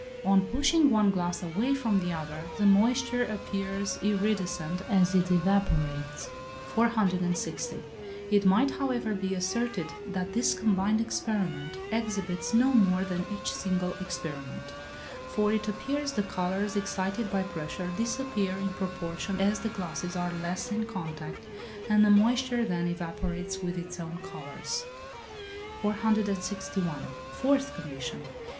On pushing one glass away from the other the moisture appears iridescent as it evaporates. 460. It might, however, be asserted that this combined experiment exhibits no more than each single experiment; for it appears the colours excited by pressure disappear in proportion as the glasses are less in contact, and the moisture then evaporates with its own colours. 461. Fourth condition.